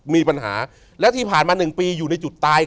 มีปัญหาแล้วที่ผ่านมา๑ปีอยู่ในจุดตาย